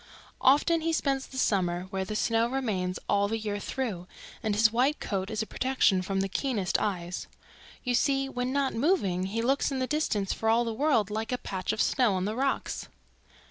"Often he spends the summer where the snow remains all the year through and his white coat is a protection from the keenest eyes. You see, when not moving, he looks in the distance for all the world like a patch of snow on the rocks.